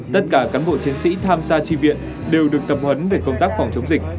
tất cả cán bộ chiến sĩ tham gia tri viện đều được tập huấn về công tác phòng chống dịch